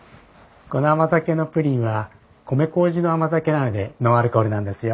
この甘酒のプリンは米麹の甘酒なのでノンアルコールなんですよ。